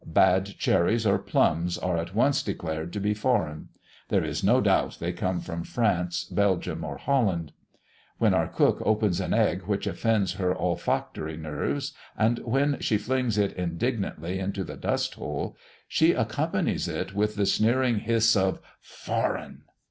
Bad cherries or plums, are at once declared to be foreign; there is no doubt they come from France, Belgium, or Holland. When our cook opens an egg which offends her olfactory nerves, and when she flings it indignantly into the dust hole, she accompanies it with the sneering hiss of "foreign"!